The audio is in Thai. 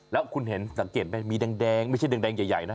แล้วคุณเห็นสังเกตไหมมีแดงไม่ใช่แดงใหญ่นะ